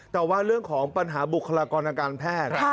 แต่ว่าเรื่องของปัญหาบุคลากรทางการแพทย์